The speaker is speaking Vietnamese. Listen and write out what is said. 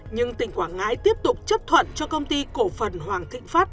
nhưng tỉnh quảng ngãi tiếp tục chấp thuận cho công ty cổ phần hoàng kinh pháp